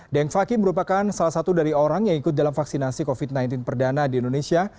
deng fakih merupakan salah satu dari orang yang ikut dalam vaksinasi covid sembilan belas perdana di indonesia